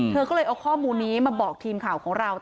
เธอก็เลยเอาข้อมูลนี้มาบอกทีมข่าวของเรา